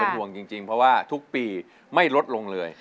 ห่วงจริงเพราะว่าทุกปีไม่ลดลงเลย